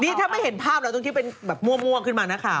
นี่ถ้าไม่เห็นภาพเราต้องคิดเป็นแบบมั่วขึ้นมานักข่าว